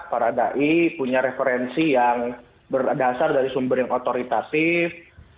para dai punya referensi yang berdasar dari sumber yang otoritatif